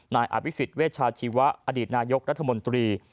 นายอภิษฎเวชาชีวะอดีตนายกรัฐมนตรี